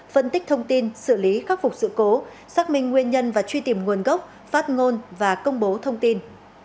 phân tích thông tin xử lý khắc phục sự cố xác minh nguyên nhân và truy tìm nguồn gốc phát ngôn và công bố thông tin